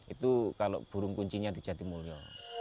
itu kalau burung kuncinya di jatimulyo